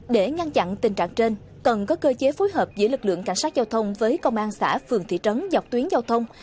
để ngăn chặn tình trạng trên cần có cơ chế phối hợp giữa lực lượng cảnh sát giao thông với công an xã phường thị trấn dọc tuyến giao thông